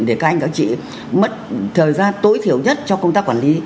để các anh các chị mất thời gian tối thiểu nhất cho công tác quản lý